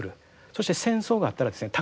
そして戦争があったらですね